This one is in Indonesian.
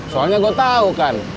soalnya gua tau kan